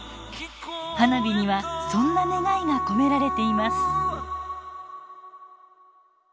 花火にはそんな願いが込められています。